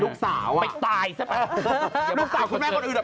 สาวอ่ะไปตายซะไปลูกสาวคุณแม่คนอื่นอ่ะ